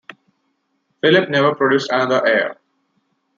Philip never produced another heir.